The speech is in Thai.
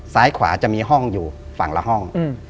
ซ้ายขวาจะมีห้องอยู่ฝั่งละห้อง